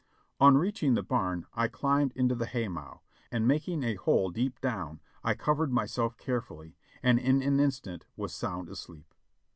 On reaching the barn I climbed into the hay mow, and making a hole deep down, I covered myself carefully, and in an instant was sound asleep.